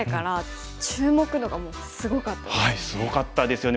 すごかったですよね。